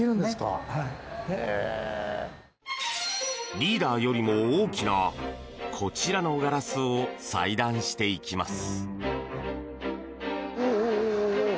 リーダーよりも大きなこちらのガラスを裁断していきます。